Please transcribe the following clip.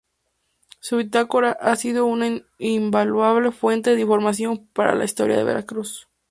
Su bitácora ha sido una invaluable fuente de información para la historia de Veracruz.